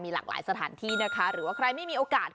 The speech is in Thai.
หลากหลายสถานที่นะคะหรือว่าใครไม่มีโอกาส